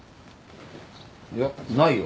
いやないよ。